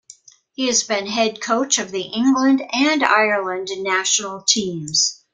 He has been head coach of the England and Ireland national teams.